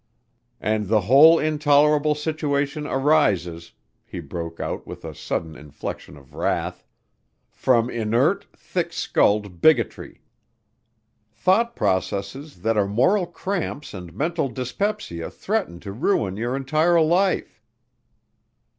"And the whole intolerable situation arises," he broke out with a sudden inflection of wrath, "from inert, thick skulled bigotry. Thought processes that are moral cramps and mental dyspepsia threaten to ruin your entire life."